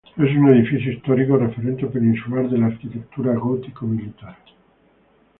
Es un edificio histórico, referente peninsular de la arquitectura gótico-militar.